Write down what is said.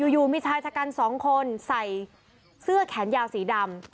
อยู่มีชายชะกัน๒คนใส่เสื้อแขนยาวสีดำ